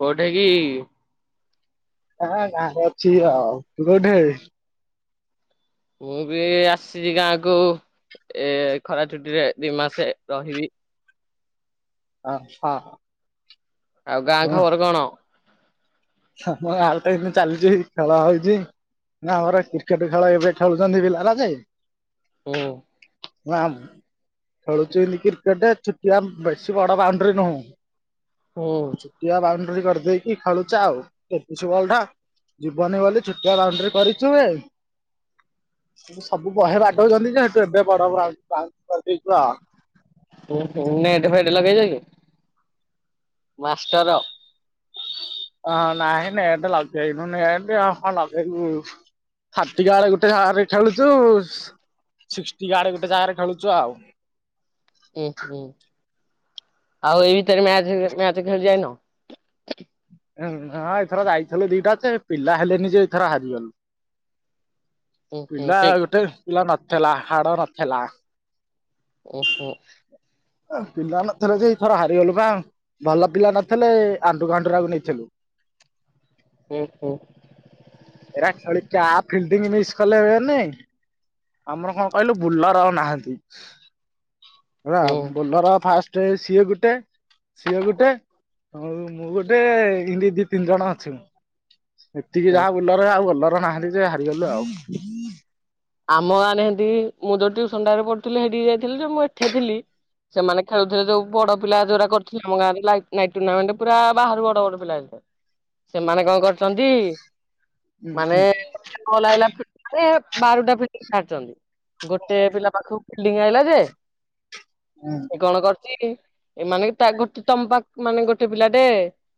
କୋଉଠି କି? ହଁ ଗାଁରେ ଅଛି ଆଉ ତୁ କୋଉଠାରେ? ମୁଁ ବି ଆସିଛି ଗାଁକୁୁ ଏ ଖରା ଛୁଟିରେ ଦି ମାସେ ରହିବି। ଆଛା ହ। ଆଉ ଗାଁ ଖବର କଣ? ଆମ ଆଲଟ ଏ ଚାଲିଛି ଖେଳ ହଉଛି। ଆଁ ଆମର କ୍ରିକେଟ ଖେଳ ଏବେ ଖେଳୁଛନ୍ତି ପିଲାମାନେ? ହୁଁ। ଓ ଆମ୍ ଖେଳୁଛି ବୋଲିକି କ୍ରିକେଟ ଛୁଟିଆ ବେଶୀ ବଡ ବାଉଣ୍ଡରି ନୁହଁ। ହୁଁ। ଛୁଟିଆ ବାଉଣ୍ଡରି କରିଦେଇକି ଖେଳୁଛେ ଆଉ ଏ ଛୁଆଟା ଜୀବନରେ ବୋଧେ ଛୋଟିଆ ବାଉଣ୍ଡରି କରିଛୁ ବେ? ମୁଁ ସବୁ ବହେ ବାଟ ଗଲି ଯେ ସେଠୁ ଏବେ ବଡ ବ ବାଉ ବାଉଣ୍ଡରୀ କରିଦେଇଛ। ନେଟ ଫେଟ ଲଗେଇଲେଣି ମାଷ୍ଟର ହ ନାହିଁ ନେଟ୍ ଲଗେଇବୁ ନାଇଁ ହଁ ଲଗେଇବୁ। ହାର୍ଟିଗାଡ୍ ଗୋଟେ ଜାଗାରେ ଖେଳୁଛୁ ସିକ୍ଟିଗାଡ୍ ଗୋଟେ ଜାଗାରେ ଖେଳୁଛୁ ଆଉ ହୁଁ ହୁଁ ଆଉ ଏଇ ଭିତରେ ମ୍ୟାଚ ମ୍ୟାଚ ଖେଳି ଯାଇନ? ହଁ ହଁ ଏଥର ଯାଇଥିଲୁ ଦିଟା ଯେ ପିଲା ହେଲେନି ଯେ ଏଥର ହାରିଗଲୁ। ଉଁ ହୁଁ ପିଲା ଠିକ୍ ଗୋଟେ ପିଲା ନଥିଲା ହାଡ ନଥିଲା। ଓହୋ। ପିଲା ନଥିଲେ ଯେ ଏଇ ଥର ହାରିଗଲୁ ପା ଭଲ ପିଲା ନଥିଲେ ଆଣ୍ଡୁ ଗାଣ୍ଡୁରାକୁ ନେଇଥିଲୁ। ହୁଁ ହୁଁ। ଏରା ଖେଳି କା ଫିଲ୍ଡିଂ ମିସ୍ କଲେ ମାନେ ଆମର କଣ କହିଲୁ ବୁଲର ଆଉ ନାହାନ୍ତି ହେଲା। ହୁଁ ଭଲ ଫାଷ୍ଟ ସିଏ ଗୋଟେ ସିଏ ଗୋଟେ ହଁ ମୁଁ ଗୋଟେ ଏନତି ଦି ତିନି ଜଣ ଅଛୁ। ଏତିକି ହୁଁ। ଯାହା ବୁଲର ଆଉ ବୋଲର ନାହାନ୍ତି ଯେ ହାରିଗଲୁ ଆଉ ଆମ ଗାଁରେ ହେନ୍ତି ମୁଁ ଯୋଉ ଟିୟୂସନଟାରେ ପଢ଼ୁଥିଲି ହେଠିକି ଯାଇଥିଲି ଯେ ମୁଁ ଏଠେ ଥିଲି। ସେମାନେ ଖେଳୁଥିଲେ ଯୋଉ ବଡ ପିଲା ଯୋଉଟା କରିଥିଲେ ଆମ ଗାଁରେ ନାଇଟ ଟୁର୍ଣ୍ଣାମେଣ୍ଟ ପୁରା ବାହାରୁ ବଡ ବଡ ପିଲା ଆଇଥିଲେ। ସେମାନେ କଣ କରିଛନ୍ତି? ହୁଁ ମାନେ ହୁଁ [unintelligible] କଲ ଆଇଲା ଫିଟିଙ୍ଗରେ ବାରଟା ଫିଟିଂ ସାରିଛନ୍ତି। ଗୋଟେ ପିଲା ପାଖକୁ ଫିଲ୍ଡିଙ୍ଗ ଆଇଲା ଯେ ହୁଁ। ସେ କଣ କର ଚି କି ଏମାନେ ତାଗୋଟେ ତମ ମାନେ ଗୋଟେ ପିଲାଟେ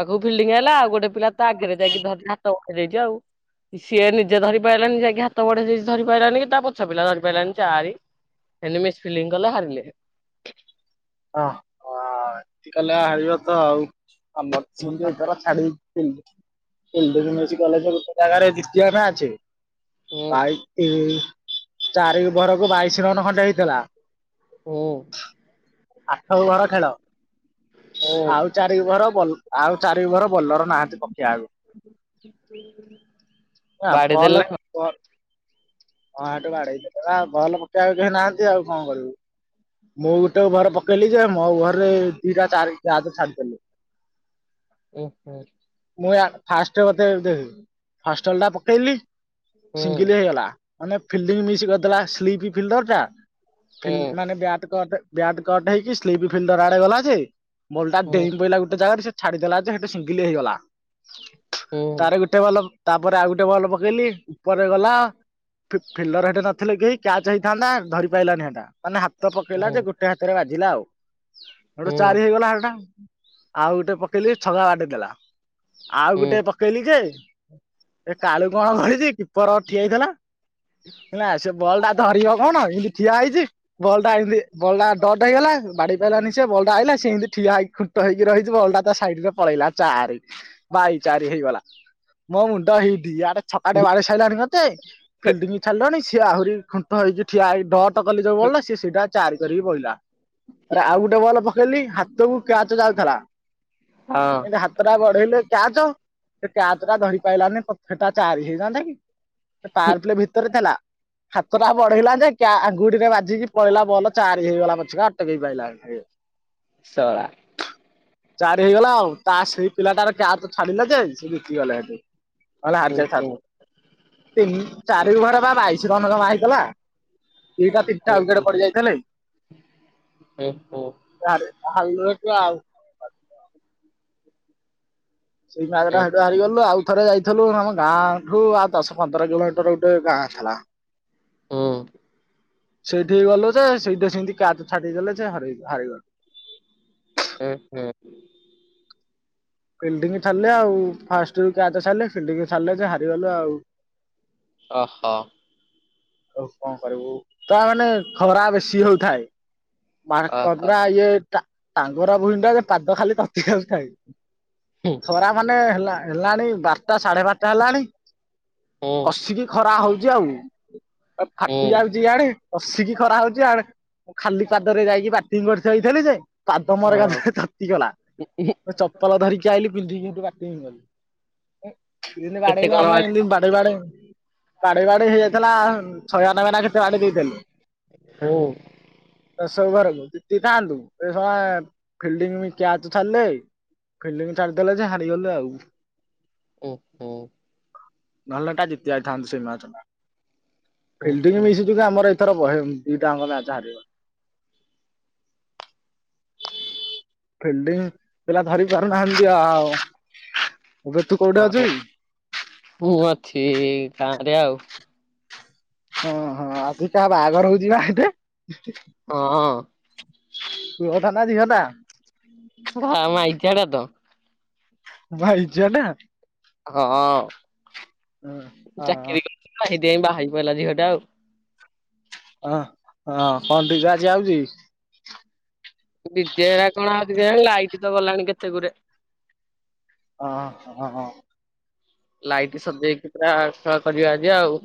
ପାଖକୁ ଫିଲ୍ଡିଂ ହେଲା ଆଉ ଗୋଟେ ପିଲା ତ ଆଗରେ ଯାଇକି ଧରି କି ହାତ ଉଠେଇ ଦେଇଛି ଆଉ ସିଏ ନିଜେ ଧରି ପାରିଲାନି ଯାଇକି ହାତ ବଢେଇ ଦେଇଚି। ଧରି ପାରିଲାନି କି ତା ପଛ ପିଲା ଧରି ପାରିଲାନି ଚାରି ହେଲେ ମିସ ଫିଲିଙ୍ଗ କଲେ ହାରିଲେ। ଓ ହ ଏତି କଲେ ଭାବିବତ ଆଉ ଆମେ ବଞ୍ଚିବୁ ଯେ ଏଥର। ଛା କ ଗୋଟେ ବିଡାନାସୀ କଲେଜରେ ଦ୍ୱିତୀୟଟା ଅଛି। ହୁଁ ଭାଇ ଚାରି ଓଭାରକୁ ବାଇଶି ରନ ଖଣ୍ଡେ ହେଇଥିଲା। ହୁଁ। ଆଠ ଓଭର ଖେଳ ହୁଁ ଆଉ ଚାରି ଓଭର ଆଉ ଚାରି ଓଭର ବୋଲର ନାହାଁନ୍ତି ପକେଇଆକୁ ଆଉ ବାଡେଇ ଦେଲେ ନା ଵଲ କଣ? ବଲ। ହଁ ହାଠୁ ବାଡେଇଦଲେବା ବଲ ପକେଇବା କେହି ନାହାନ୍ତି ଆଉ କଣ କରିବୁ ମୁଁ ଟେ ଉଭର ପକେଇଲି ଯେ ମୋ ଉଭରରେ ଦିଟା ଚାରଜ କ୍ୟଚ ଛାଡ଼ି ଦେଲି। ଉ ହୁଁ। ମୁଁଆ ଫାଷ୍ଟ ମତେ ଫାଷ୍ଟ ଲପକେଇଲି ସିଙ୍ଗିଲ ହେଇଗଲା ମାନେ ଫିଲ୍ଡିଙ୍ଗ ମିସ୍ କରଦେଲା ସ୍ଲିପ ଫିଲ୍ଡରଟା ହୁଁ ମାନେ ବ୍ୟାଟ କଟ୍ ବ୍ୟାଟ କଟ ହେଇକି ସ୍ଲିପ ଆଡେ ଗଲାଯେ ବଲଟା ହୁଁ ଡେଇ ପଇଲା ଗୋଟେ ଜାଗାରେ ସେ ଛାଡ଼ିଦେଲା ଯେ ହେଟୁ ଶିଙ୍ଗିଲ୍ ହେଇଗଲା। ହୁଁ ତାର ଗୋଟେ ବଲ ତାପରେ ଆଉ ଗୋଟେ ବଲ ପକେଇଲି ଉପରେ ଗଲା ଫି ଫିଲ୍ଡର ହେଟି ନଥିଲେ କେହି କ୍ୟାଚ ହେଇଥାନ୍ତା ଧରି ପାରଲାନି ହେଟା ମାନେ ହାତ ହୁଁ ପକେଇଲା ଯେ ଗୋ ଟେ ହାତରେ ବାାଜିଲା ଆଉ ହୁଁ ହେଠୁ ଚାରି ହେଇଗଲା ହେଲଟା ଆଉ ଗୋଟେ ପକେଇଲି ଛଗା ବାଡେଦେଲା ଆଉ ହୁଁ ଗୋଟେ ପକେଇଲି ଯେ ଏ କାଳୁ କଣ କରିଛି କିପର ଠିଆ ହେଇଥିଲା ହେଲା ସେ ବଲ୍ ଟା ଧରିବ କଣ ଏମିତି ଠିଆ ହେଇଚି ବଲଟା ଏମିତି ବଲଟା ଡଟ ହେଇଗଲା ବାଡେଇ ପାଇଲାନି ସେ ବଲଟା ଆଇିଲା ସେମତି ଠିଆ ହେଇ ଖୁର ଟ ହେଇକି ରହିଁଯିବ ବଲଟା ତା ସାଇଡ ରେ ପଳେଇଲା ଚାରି। ବାଇ ଚାରି ହେଇଗଲା ମୋ ମୁଣ୍ଡ ହିଟ୍ ଆଡେ ଛକାଟେ ବାଡି ସାଇଲାଣି ମତେ ଫିଲ୍ଡିଙ୍ଗ ଛାଡ଼ଲଣି ସିଏ ଆହୁରି ଖୁଣ୍ଟ ହେଇକି ଠିଆ ହେଇ ଡଟ୍ ତ କଲି ଯୋଉ ବଲଟା ସେ ସେଇଟା ଚାରି କରିକି ବଇଲା ରା ଆଉ ଗୋଟେ ବଲ ପକେଇଲି ହାତକୁ କ୍ୟାଚ ଯାଉଥିଲା ହଁ। ତଟା ଗଢେଇଲେ କ୍ୟାଚ ସେ କ୍ୟାଚ ଟା ଧରି ପାଇଲାନି ପଥ ହେଟା ଚାରି ହେଇଯାଆନ୍ତା କି? ଟାର ପ୍ଲେ ଭିତରେ ଥେଲା ହାତ ଟା ବଢେଇଲା ଯେ କ୍ୟ ଆଙ୍ଗୁଠିରେ ବାଜିକି ପଳେଇା ବଲ ଚାରି ହେଇଗଲା ପଛକା ଅଟକେଇ ପାଇଲାନୀ ! ! ! ! ! ! ! ! ! ! ଚାରି ହେଇଗଲା ଆଉ ତା ସେଇ ପିଲାଟାର କ୍ୟାଚଛାଡିଲା ଯେ ସେ ଜିତି ଗଲେ ହେଠୁ। ହେଲ ହୁଁ ହାର୍ଯାଇ ଥାନ ହୁଁ। ତିନ ଚାରିବାର ବା ବାଇଶି ଜମା ହେଇଥିଲା। ଦିଇଟା ତିନଟା ୱିକେଟ୍ ପଡି ଯାଇଥିଲେ। [unintelligible] ସେଇ ମ୍ୟାଗ୍ ଟା ହେଡୁ ହାରି ଗଲୁ ଆଉ ଥରେ ଯାଇ ଥିଲୁ ଆମ ଗାଁଠୁ ଆଉ ଦଶ ପନ୍ଦର କିଲୋମିଟର ଗୋଟେ ଗାଁ ଥିଲା ହୁଁ। ସେଇଠି ଗଲୁ ଯେ ସେଇଠି ସେମତି କ୍ୟାଚ ଛାଡି ଦେଲେ ଯେ ହରେଇ ହାରି ଗଲୁ। ହୁଁ ହୁଁ ହୁଁ। ଫିଲ୍ଡି ଛାରିଲେ ଆଉ ଫାଷ୍ଟ ରୁ କ୍ୟାଚ୍ ଛାଡଲେ ଫିଲ୍ଡିଂ ଛାଡଲେ ଯେହାରିଗଲୁ ଆଉ। ଓହୋ। ତା ମାନେ ଖରା ବେଶୀ ହଉଥାଏ। ମାଙ୍କ ଇଏ ଟାଙ୍ଗରା ଭୁଇନ୍ ଟାଜେ ପାଦ ଖାଲି ତତିଜାଉ ଥାଏ। ଖରା ମାନେ ହେଲା ହେଲାଣି ବାରଟା ସାଢେ ବାରଟା ହେଲାଣି ହୁଁ। କସିକି ଖରା ହଉଚି ଆଉ ଫାଟି ଯାଉଚି ୟାଡେ କସିକି ଖରା ହଉଚି ୟାଡେ ଖାଲି ପାଦରେ ଯାଇକି ଵ୍ୟାଟିଙ୍ଗ ଗଡି ହେଇଥିଲି ଯେ ପାଦମୋର ହଁ ଏକାଥରେ ତାତିଗଲା ଚପଲ ଧରିକି ଆଇିଲ ପିନ୍ଧିକି ହେଟୁ ବ୍ୟାଟିଂ କଲି। ଯେମତି କେତେ ବାଡେଇଲୁ କଣ ଆମେ ଆଡେ ଏମତି ବାଡେଇ ବାଡେଇ ବାଡେଇ ବାଡେଇ ହେଇଯାଇଥିଲା ଛୟାନବେ ନା କେତେ ବାଡେ ଦେଇଥେଲେ ହୁଁ। ! ! ! ! ! ! ! ! ! ! ଫିଲ୍ଡିଙ୍ଗ ଚାରିଦେଲେ ଯେ ହାଡିଗଲେ ଆଉ ଉଁ ହୁଁ। ନହେଲେ ଏକା ଜିତି ଯାଇଥାନ୍ତେ ସେ ମ୍ୟାଚ ଟା। ଫିଲ୍ଡି ଉହୁଁ। ମିଶି ଯୁଜେ ଆମର ଏଇଥର ବହେ ଦିଟା ଅଙ୍କ ମ୍ୟାଚ୍ ହାରିଗ ଫିଲ୍ଡିଙ୍ଗ ପିଲା ଧରି ପାରୁନାହାଁନ୍ତି ଆଉ। ଏବେ ତୁ କୋଉଠି ଆଉ ଅଛୁ କି? ମୁଁ ଅଛି ଗାଁରେ ଆଉ। ଓ ହଁ, ଆଜି କାହା ବାହାଘର ହଉଛି ବା ସେଠି? ହଁ। ପୁଅଟା ନା ଝିଅଟା? ଭା ମାଇଚିଆଟା ତ। ଭାଇଚିଆଟା? ହଁ। ହ [unintelligible] ଚାକିରୀ କରିଚି ତ ସେଇଥିପାଇଁ ବାହା ହେଇପଇଲା ଝିଅଟା ଆଉ। ହଁ ହଁ, କଣ ଡିଜେ ଆଜି ଆଉଛି? ଡିଜେ ହେରା କଣ ଆଉଛି କେଜାଣି, ଲାଇଟ ତ ଗଲାଣି କେତେ ଗୁରେ। ହଁ ହଁ। ଲାଇଟ୍ ସଜେଇକି ପୁରା ଖେଳ କରିବା ଆଜି ଆଉ।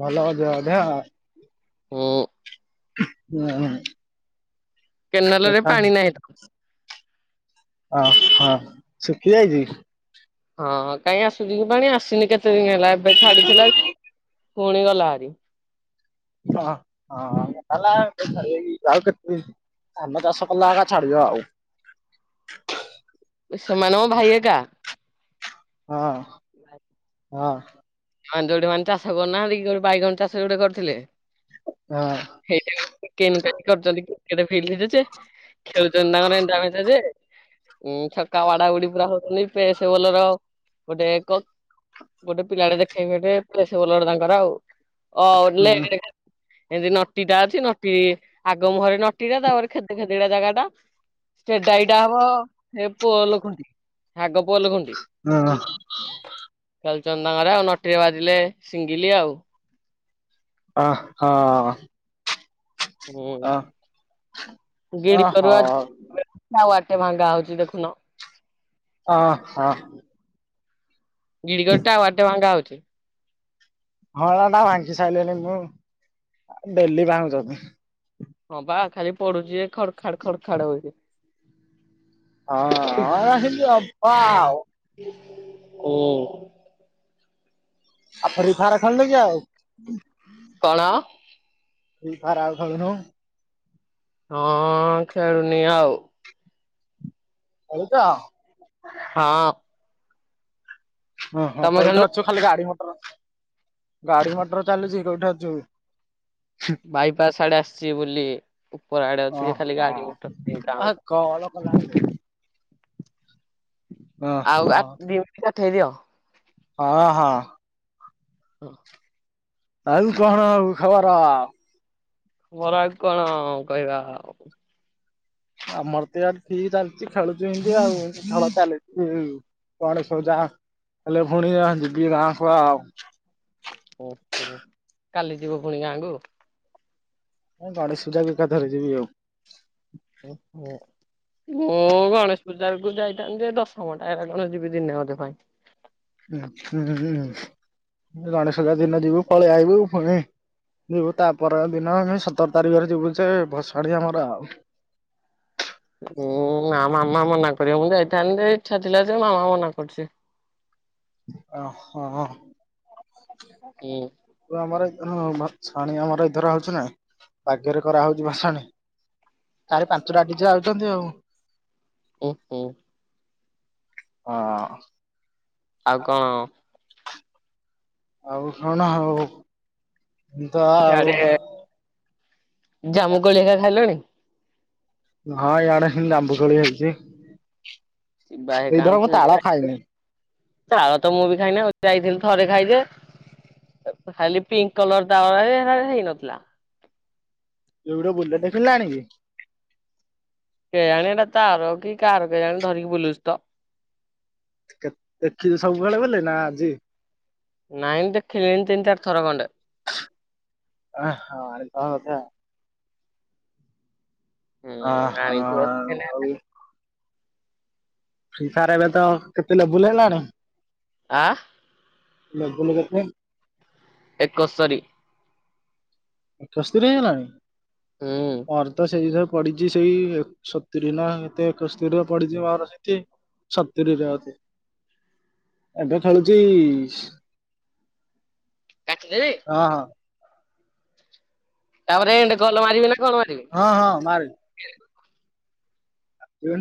ଭଲ ହଉଥିବ ବୋଧେ ଆଉ? ହୁଁ। ହଁ। କେନାଲରେ ପାଣି ନାହିଁ ତ। ଅ ହଁ ଶୁଖି ଯାଇଛି? ହଁ କାହିଁ ଆସୁଛି କି ପାଣି, ଆସିନି କେତେ ଦିନ ହେଲା। ଏବେ ଛାଡିଥିଲା, ପୁଣି ଗଲା ହାରି। ଅ ହଁ [unintelligible] ଆଉ କେତେ ଦିନ? ଧାନ ଚାଷ କଲେ ଏକା ଛାଡିବ ଆଉ। ସେମାନଙ୍କ ଭାଇ ହେକା। ହଁ ହଁ। ଏମାନେ ଯୋଉଠି ମାନେ ତ ଚାଷ କରୁନାହାଁନ୍ତି କି, ଯୋଉଠି ବାଇଗଣ ଚାଷ ଯୋଉଠି କରୁଥିଲେ ହଁ। ହେଇଟା ବା [unintelligible] କ୍ରିକେଟ ଫିଲ୍ଡରେ ଯେ ଖେଳୁଛନ୍ତି ତାଙ୍କର ଏ [unintelligible] ବୟସରେ? ଉଁ ଛକା ବାଡା ବୁଡି ପୁରା ହଉଛନ୍ତି। ଫ୍ରେସ୍ ବୋଲର ଗୋଟେ ଗ ଗୋଟେ ପିଲାଟେ ଦେଖେଇବି ହେଇଟି ଫ୍ରେସ୍ ବୋଲର ତାଙ୍କର ଆଉ। ଅ ହୁଁ [unintelligible] ଏନ୍ତି ନଟି ଟା ଅଛି ନଟି ଆଗ ମୁହଁରେ ନଟିଟା ତାପରେ ଖେଦ ଖେଦଡିଆ ଜାଗାଟା ଷ୍ଟେଟ ଡାଇଟା ହବ, ହେ ପୋଲ୍ ଖୁଣ୍ଟି। ଆଗ ପୋଲ୍ ଖୁଣ୍ଟି। ହଁ। ଚାଲିଚନ୍ତି ତାଙ୍କର ଆଉ। ନଟେରି ବାଜିଲେ ସିଙ୍ଗିଲି ଆଉ। ଅ ହଁ। ହୁଁ, ଅ ଅ ଗିଡ଼ ହ କରୁଆ ଆଉ ଆଟେ ଭାଙ୍ଗା ହଉଛି ଦେଖୁନ? ଅ ହଁ। ଗିଡ଼ିଗଡଟାଉ [unintelligible] ହଉଛି? ହଁଳା ଟା ଭାଙ୍ଗି ସାଇଲେଣି ମୁଁ, ଆ ଡେଲି ଭାଙ୍ଗୁସନ୍ତି। ହଁ ବା ଖାଲି ପଡୁଛି ଯେ ଖଡ ଖାଡ ଖଡ ଖାଡ ହଉଛି। ହଁ ହଁରା ସେମତି ହବା ଆଉ। ହୁଁ। ଆଉ ଫ୍ରି ଫାୟାର ଖେଳୁନୁ କି ଆଉ? କଣ? ଫ୍ରି ଫାୟାର ଆଉ ଖେଳୁନୁ? ହଁ ଖେଳୁନି ଆଉ। ଖେଳୁଚ? ହଁ। ଓହୋ ତମେ କୋଉଠେ ଖେଳୁନ? ଅଛୁ ଖାଲି ଗାଡ଼ି ମଟର ଗାଡ଼ି ମଟର ଚାଲୁଚି କୋଉଠେ ଅଛୁ? ବାଇପାସ୍ ଆଡ଼େ ଆସିଚି ବୋଲି ଉପର ଆଡ଼େ ଅଛି ଯେ ଖାଲି ଓହୋ ଗାଡ଼ି ମଟର ଘିଘା ଆ କଲ୍ କଲା ସେ। ଆଉ ଆ [unintelligible] ପଠେଇ ଦିଅ। ହଁ ହଁ। ଓ ଆଉ କଣ ଖବର? ମୋରା ଆଉ କଣ କହିବା ଆଉ ଆମରତ ଏଆରେ ଠିକ୍ ଚାଲିଚି ଖେଳୁଚି ଏମିତି ଆଉ ଖେଳ ଚାଲିଚି। କଣ ସଜା ହେଲେ ପୁଣି ଯିବି ଗାଁକୁ ଆଉ। ଓହୋ କାଲି ଯିବ ଫୁଣି ଗାଁକୁ? ଏ ଗଣେଶ ପୂଜାକୁ ଏକାଥରେ ଯିବି ଆଉ। ଓହୋ। ମୁଁ ଗଣେଶ ପୂଜାକୁ ଯାଇଥାନ୍ତିଯେ ଦଶଘଣ୍ତା ହେରା କଣ ଯିବି ଦିନେ ଅଧେ ପାଇଁ। ହୁଁ ହୁଁ ଗଣେଶ ପୂଜା ଦିନେ ଯିବୁ ପଳେଇ ଆଇିବୁ ପୁଣି ଯିବୁ ତାପର ଦିନ ଆମେ ସତର ତାରିଖରେ ଯିବୁ ସେ ଭସାଣି ଆମର ଆଉ। ଉୁଁ ନାଁ ମାମା ମନା କରିବ ମୁଁ ଯାଇଥାନ୍ତିଯେ ଇଚ୍ଛା ଥିଲାଯେ ମାମା ମନା କରୁଚି। ଓହୋ। ହୁଁ। ଯୋ ଆମର ଏଥର ଭସାଣି ଆମର ଏଥର ହଉଚି ନାଁ। ଭାଗ୍ୟରେ କରା ହଉଚି ଭସାଣ ଚାରି ପାଞ୍ଚଟା ଡିଜେ ଆଉଚନ୍ତି ଆଉ। ଓହୋ। ହଁ। ଆଉ କଣ ଆଉ କଣ ହୋଉ ଯା ଆଉ ଜାମୁ କୋଳି ଅରିକା ଖାଇଲଣି? ହଁ ଇଆଡ଼େ ହେମିତି ଜାମ୍ବୁ କୋଳି ହେଉଚି। ଯିବା ହେ [unintelligible] ତାଳ ତ ମୁଁବି ଖାଇନି ଯାଇଥିଲି ଥରେ ଖାଇଚି ସେତ ଖାଲି ପିଙ୍କ୍ କଲର୍ ତାଳ ଅରାଯେ ହେରା ହେଇନଥିଲା। ଇଏ ଗୋଟେ ବୁଲେଟ୍ ଦେଖିଲୁନା ଆଣିକି? କେଆଣି ଏଟା ତାର କି କାହାର କେଜାଣେ ଧରିକି ବୁଲୁଛିତ। କେ ଦେଖିଚୁ ସବୁବେଳେ ବଲେ ନା ଆଜି? ନାଇଁ ଦେଖିଲିଣିି ତିନି ଚାରିଥର ଖଣ୍ଡେ। ଓହ ଆଉ କଣ କଥା ଅ ହୁଁ ହ ଆଣିଥିବ ଆଉ? ଫ୍ରି ଫାର୍ ଏବେତ କେତେ ଲୋବୁଲ୍ ହେଲାଣି? ଆ? ଲେବୁଲୁ କେତେ? ଏକସ୍ତରି। ଏକସ୍ତରି ହେଇଗଲାନି ହୁଁ ପର୍ ତ ସେଇ ହିସାବରେ ପଡିଚି ସେଇ ଏକ ସତୁରି ନା କେତେ ଏକସ୍ତରୀରେ ପଢିଚି ମର ସେଠି। ସତୁରିରେ ଅଛି। ଏବେ ଖେଳୁଚି କାଟିଦେବି? ହଁ ହଁ। ତାପରେ ଏଣ୍ଡ କଲ୍ ମାରିବି ନା କଣ ମାରିବି? ହଁ ହଁ ମାରେ।